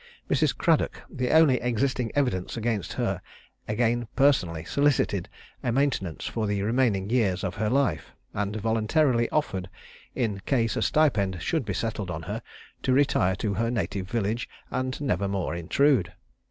Mrs. Cradock, the only existing evidence against her, again personally solicited a maintenance for the remaining years of her life; and voluntarily offered, in case a stipend should be settled on her, to retire to her native village, and never more intrude.